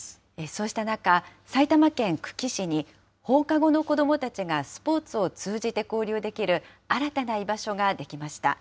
そうした中、埼玉県久喜市に、放課後の子どもたちがスポーツを通じて交流できる、新たな居場所が出来ました。